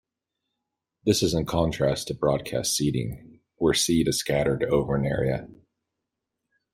This is in contrast to broadcast seeding, where seed is scattered over an area.